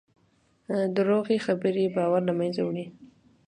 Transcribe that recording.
دروغې خبرې باور له منځه وړي.